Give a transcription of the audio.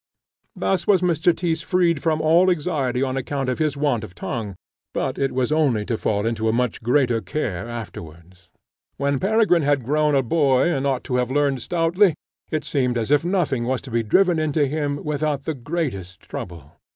Thus was Mr. Tyss freed from all anxiety on account of his want of tongue, but it was only to fall into a much greater care afterwards. When Peregrine had grown a boy and ought to have learnt stoutly, it seemed as if nothing was to be driven into him without the greatest trouble.